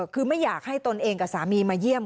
คือไม่อยากให้ตนเองกับสามีมาเยี่ยม